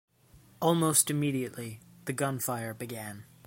Almost immediately, the gunfire began.